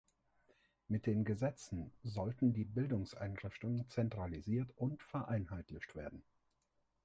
Mit den Gesetzen sollten die Bildungseinrichtungen zentralisiert und vereinheitlicht werden.